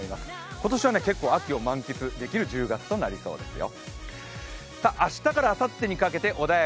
今年は結構、秋を満喫できる１０月となりそうですよ。